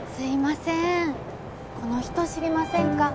この人知りませんか？